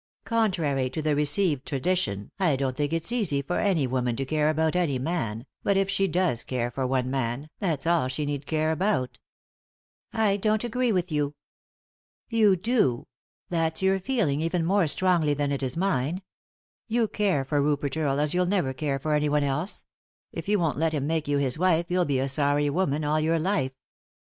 Contrary to the received tradition, I don't think it's easy for any woman to care about any man, but if she does care for one man, that's all she need care about" "I don't agree with you." " You do. That's your feeling, even more strongly 38 Digtodb/Google THE INTERRUPTED KISS than it is mine. You care for Rupert Earle as you'll raver care for anyone else; if you won't let him make you his wife you'll be a sorry woman all your life."